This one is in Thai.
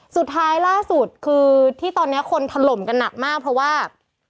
ล่าสุดคือที่ตอนนี้คนถล่มกันหนักมากเพราะว่า